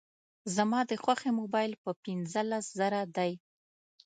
زما د خوښي موبایل په پینځلس زره دی